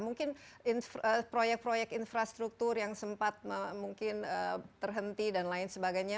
mungkin proyek proyek infrastruktur yang sempat mungkin terhenti dan lain sebagainya